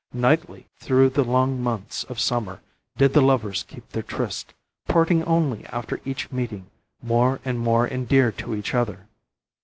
Nightly, through the long months of summer, did the lovers keep their tryst, parting only after each meeting more and more endeared to each other.